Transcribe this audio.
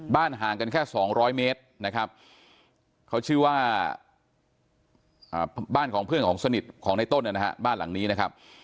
ห่างกันแค่๒๐๐เมตรนะครับเขาชื่อว่าบ้านของเพื่อนของสนิทของในต้นนะฮะบ้านหลังนี้นะครับ